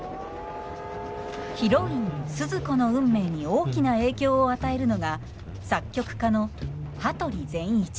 ヒロインスズ子の運命に大きな影響を与えるのが作曲家の羽鳥善一。